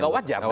nggak wajar ya